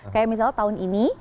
kayak misalnya tahun ini